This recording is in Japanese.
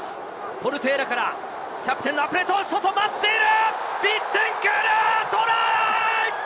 ポルテーラからキャプテンのアプレトン、外まっている！